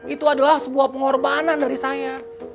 itu adalah sebuah pengorbanan dari saya